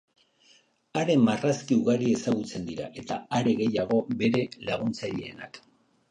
Haren marrazki ugari ezagutzen dira, eta are gehiago bere laguntzaileenak.